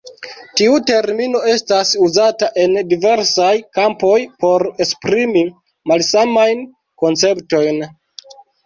Tiu termino estas uzata en diversaj kampoj por esprimi malsamajn konceptojn.